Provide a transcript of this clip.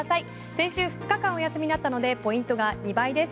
先週２日間お休みだったのでポイントが２倍です。